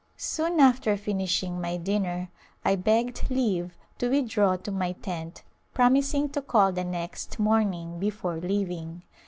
Soon after finishing my dinner I begged leave to withdraw to my tent promising to call the next morn ing before leaving.